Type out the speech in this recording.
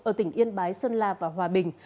ở tỉnh yên bái sơn la và hòa bình